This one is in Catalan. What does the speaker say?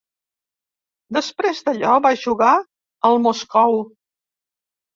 Després d'allò, va jugar al Moscou.